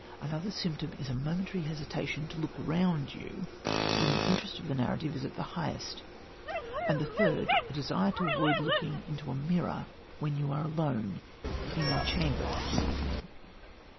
Another symptom is a momentary hesitation to look round you, when the interest of the narrative is at the highest; and the third, a desire to avoid looking into a mirror, when you are alone, in your chamber, for the evening."